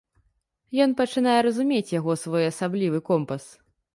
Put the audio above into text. Ён пачынае разумець яго своеасаблівы компас.